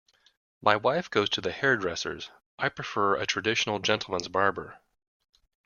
My wife goes to the hairdressers; I prefer a traditional gentleman's barber.